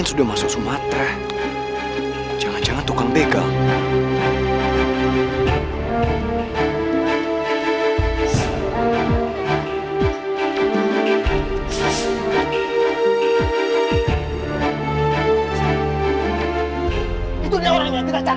itu dia orang yang kita cari